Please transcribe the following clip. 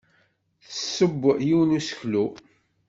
Tessew yiwen n useklu.